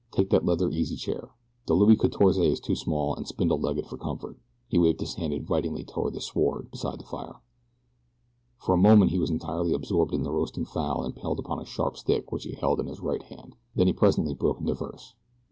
Take that leather easy chair. The Louis Quatorze is too small and spindle legged for comfort." He waved his hand invitingly toward the sward beside the fire. For a moment he was entirely absorbed in the roasting fowl impaled upon a sharp stick which he held in his right hand. Then he presently broke again into verse.